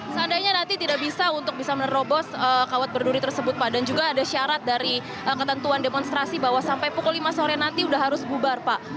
seandainya nanti tidak bisa untuk bisa menerobos kawat berduri tersebut pak dan juga ada syarat dari ketentuan demonstrasi bahwa sampai pukul lima sore nanti sudah harus bubar pak